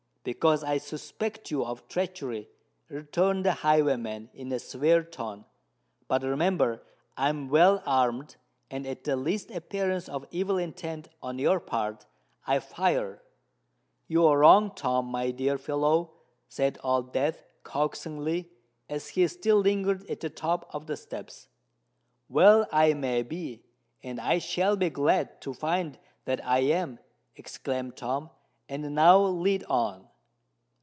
"Because I suspect you of treachery," returned the highwayman, in a severe tone. "But, remember—I am well armed—and, at the least appearance of evil intent on your part, I fire!" "You are wrong, Tom—my dear fellow," said Old Death, coaxingly, as he still lingered at the top of the steps. "Well—I may be; and I shall be glad to find that I am," exclaimed Tom: "and now lead on."